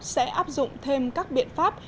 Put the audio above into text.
sẽ áp dụng thêm các biện pháp